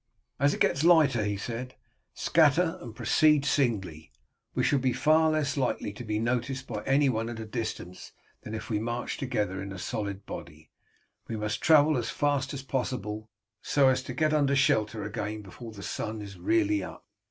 "As it gets lighter," he said, "scatter and proceed singly. We shall be far less likely to be noticed by anyone at a distance than if we march together in a solid body. We must travel as fast as possible, so as to get under shelter again before the sun is really up."